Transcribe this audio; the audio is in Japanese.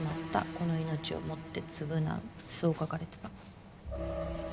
「この命を持って償う」そう書かれていた。